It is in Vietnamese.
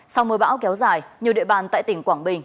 sau mưa bão kéo dài nhiều địa bàn tại tỉnh quảng bình